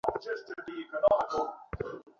কাজকর্ম, তবে খুব গোপনে।